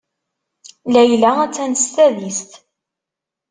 Layla attan s tadist.